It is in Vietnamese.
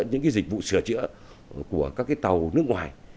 những cái dịch vụ sửa chữa của các cái tàu nước ngoài